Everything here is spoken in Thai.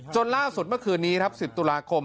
ล่าสุดเมื่อคืนนี้ครับ๑๐ตุลาคม